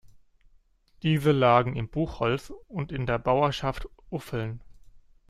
Diese lagen im Buchholz und in der Bauerschaft Uffeln.